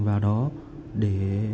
vào đó để